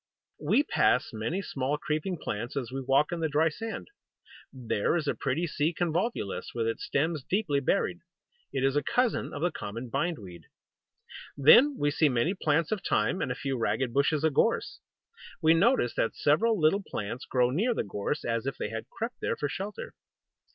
We pass many small creeping plants as we walk in the dry sand. There is a pretty Sea Convolvulus, with its stems deeply buried. It is a cousin of the common Bindweed. Then we see many plants of Thyme, and a few ragged bushes of Gorse. We notice that several little plants grow near the Gorse, as if they had crept there for shelter.